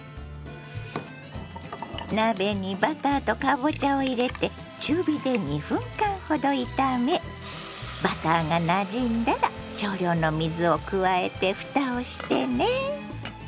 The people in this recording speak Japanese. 鍋にバターとかぼちゃを入れて中火で２分間ほど炒めバターがなじんだら少量の水を加えてふたをしてね。